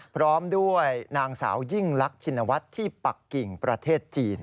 พร้อมด้วยนางสาวยิ่งลักชินวัฒน์ที่ปักกิ่งประเทศจีน